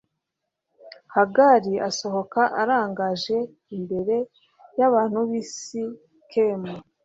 gahali asohoka arangaje imbere y'abantu b'i sikemu